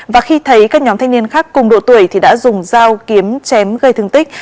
và khi thấy các nhóm thanh niên khác cùng độ tuổi thì đã dùng dao kiếm chém gây thương tích